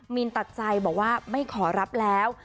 มีนตัดใจบอกว่าไม่ขอรับแล้ว